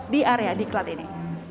di area di klat ini